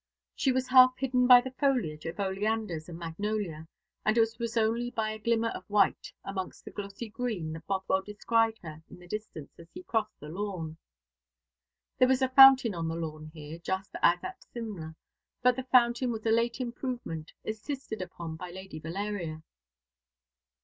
She was half hidden by the foliage of oleanders and magnolia, and it was only by a glimmer of white amongst the glossy green that Bothwell descried her in the distance as he crossed the lawn. There was a fountain on the lawn here, just as at Simla; but the fountain was a late improvement, insisted upon by Lady Valeria.